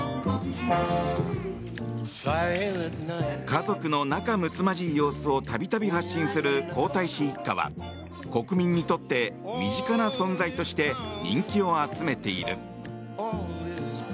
家族の仲むつまじい様子を度々発信する皇太子一家は国民にとって身近な存在として人気を集めている。